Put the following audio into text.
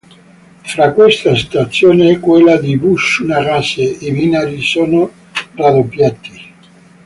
Fra questa stazione e quella di Bushū-Nagase i binari sono raddoppiati.